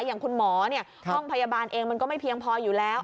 อย่างคุณหมอห้องพยาบาลเองมันก็ไม่เพียงพออยู่แล้ว